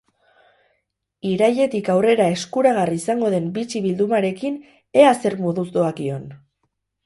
Irailetik aurrera eskuragarri izango den bitxi bildumarekin, ea zer moduz doakion!